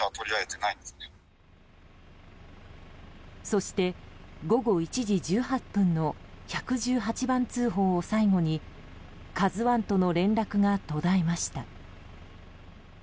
そして午後１時１８分の１１８番通報を最後に「ＫＡＺＵ１」との連絡が途絶えました。